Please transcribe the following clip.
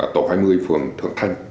tổ hai mươi phường thượng thanh